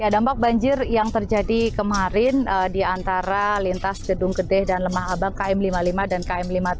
dampak banjir yang terjadi kemarin di antara lintas gedung gede dan lemah abang km lima puluh lima dan km lima puluh tujuh